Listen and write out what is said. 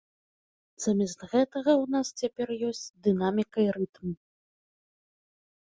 Замест гэтага ў нас цяпер ёсць дынаміка і рытм.